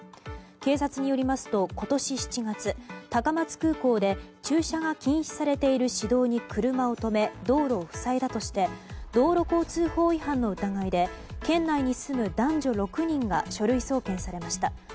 警察によりますと、今年７月高松空港で駐車が禁止されている市道に車を止め道路を塞いだとして道路交通法違反の疑いで県内に住む男女６人が書類送検されました。